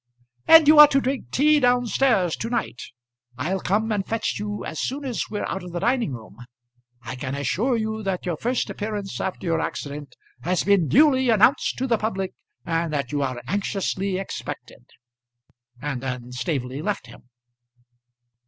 "And you are to drink tea down stairs to night. I'll come and fetch you as soon as we're out of the dining room. I can assure you that your first appearance after your accident has been duly announced to the public, and that you are anxiously expected." And then Staveley left him.